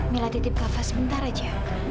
mila titip kava sebentar aja